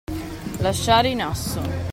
Lasciare in asso.